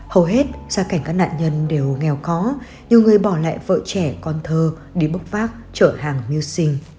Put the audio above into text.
hầu hết gia cảnh các nạn nhân đều nghèo khó nhiều người bỏ lại vợ trẻ con thơ đi bốc vác trở hàng miêu sinh